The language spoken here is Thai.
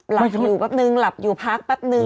หลับอยู่แป๊บนึงหลับอยู่พักแป๊บนึง